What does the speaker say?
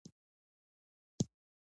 انټرنېټ د نړیوالو اړیکو اساسي وسیله ده.